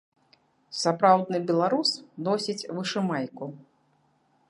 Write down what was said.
Сапраўдны беларус носіць вышымайку.